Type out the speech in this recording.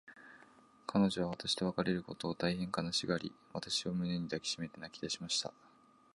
彼女は私と別れることを、大へん悲しがり、私を胸に抱きしめて泣きだしました。